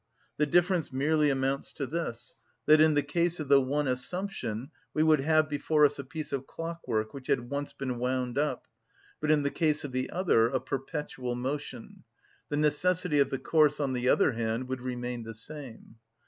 The difference merely amounts to this, that in the case of the one assumption we would have before us a piece of clockwork which had once been wound up, but in the case of the other a perpetual motion; the necessity of the course, on the other hand, would remain the same.